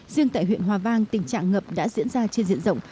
riêng tại huyện hòa vang tình trạng ngập đã diễn ra trên diện rộng